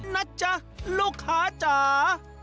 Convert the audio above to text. นะจ๊ะลูกค้าจ๋า